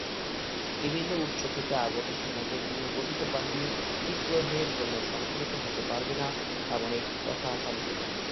বিভিন্ন উৎস থেকে আগত সেনাদের নিয়ে গঠিত বাহিনী বিদ্রোহের জন্য সংগঠিত হতে পারবে না এমন একটা কথা চালু ছিল।